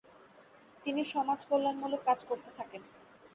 তিনি সমাজকল্যাণমূলক কাজ করতে থাকেন।